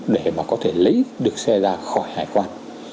để mà có thể lấy được xe ra khỏi hải quan